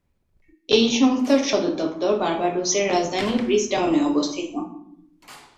এই সংস্থার সদর দপ্তর বার্বাডোসের রাজধানী ব্রিজটাউনে অবস্থিত।